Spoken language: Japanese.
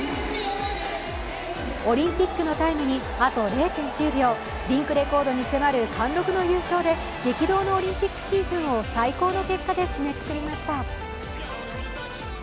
オリンピックのタイムにあと０．９秒リンクレコードに迫る貫禄の優勝で激動のオリンピックシーズンを最高の結果で締めくくりました。